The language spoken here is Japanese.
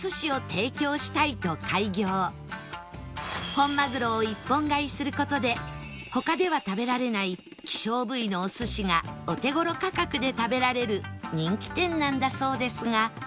本マグロを一本買いする事で他では食べられない希少部位のお寿司がお手頃価格で食べられる人気店なんだそうですが